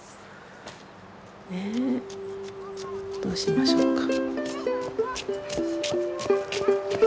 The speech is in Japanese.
ねえどうしましょうか。